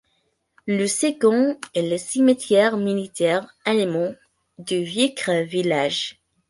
Le second est le Cimetière militaire allemand de Wicres Village.